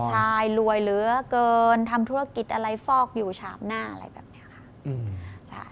ใช่รวยเหลือเกินทำธุรกิจอะไรฟอกอยู่ฉาบหน้าอะไรแบบนี้ค่ะ